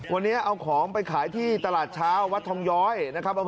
วันนี้เอาของไปขายที่ตลาดเช้าวัดทองย้อยนะครับ